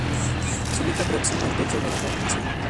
Se ubica próximo al techo de la formación.